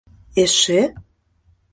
— Эше?